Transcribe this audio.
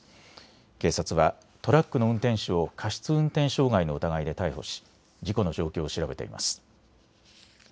警察はトラックの運転手を過失運転傷害の疑いで逮捕し事故の状況を調べています。